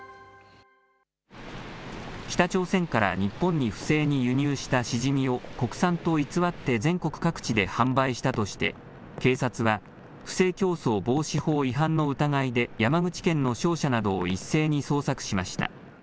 北朝鮮から日本に不正に輸入したシジミを、国産と偽って全国各地で販売したとして、警察は、不正競争防止法違反の疑いで山口県の商社などを一斉に捜索しました。